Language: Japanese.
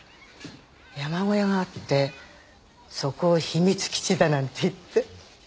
山小屋があってそこを秘密基地だなんて言って。